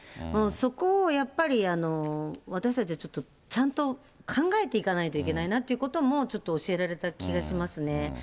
そこをやっぱり、私たちはちょっとちゃんと考えていかないといけないなということも、ちょっと教えられた気がしますね。